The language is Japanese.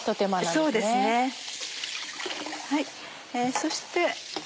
そして。